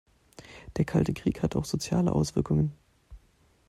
Der Kalte Krieg hatte auch soziale Auswirkungen.